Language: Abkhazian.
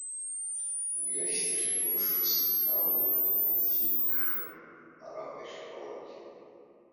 Уи ашьҭахь акыр шықәсагьы алҩақ, абылфҩы ықәышәшәон араҟа иахьабалакгьы.